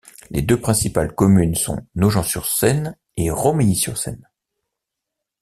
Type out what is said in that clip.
Les deux principales communes sont Nogent-sur-Seine et Romilly-sur-Seine.